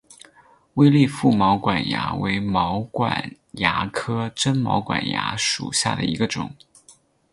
微粒腹毛管蚜为毛管蚜科真毛管蚜属下的一个种。